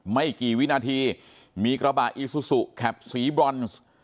ไม่กี่วินาทีมีกระบะอีซูซูแคปสีบรอนซ์